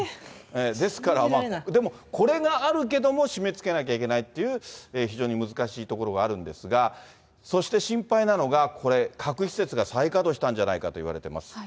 ですから、でもこれがあるから締めつけなきゃいけないっていう、非常に難しいところがあるんですが、そして、心配なのがこれ、核施設が再稼働したんじゃないかというふうにいわれてます。